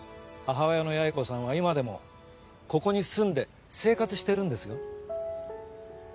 母親の八重子さんは今でもここに住んで生活してるんですよ。